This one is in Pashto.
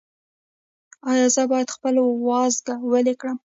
ایا زه باید خپل وازګه ویلې کړم؟